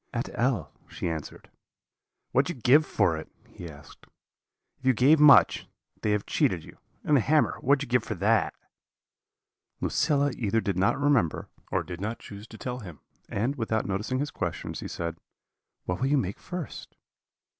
"'At L ,' she answered. "'What did you give for it?' he asked. 'If you gave much, they have cheated you; and the hammer, what did you give for that?' "Lucilla either did not remember, or did not choose to tell him; and, without noticing his questions, she said: "'What will you make first?'